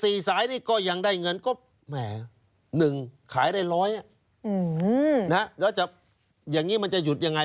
อีก๔สายนี้ก็ยังได้เงินก็๑ขายได้๑๐๐แล้วจับอย่างนี้มันจะหยุดยังไง